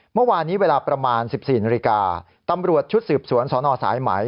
เมื่อวานนี้เวลาประมาณ๑๔นาฬิกาตำรวจชุดสืบสวนสนสายไหม